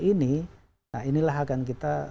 ini nah inilah akan kita